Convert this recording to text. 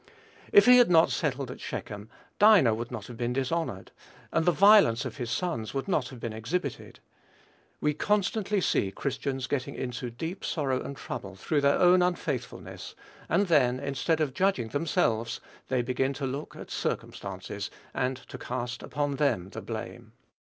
If he had not settled at Shechem, Dinah would not have been dishonored, and the violence of his sons would not have been exhibited. We constantly see Christians getting into deep sorrow and trouble through their own unfaithfulness; and then, instead of judging themselves, they begin to look at circumstances, and to cast upon them the blame.